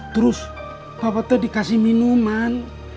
terus bapak tuh dikasih minuman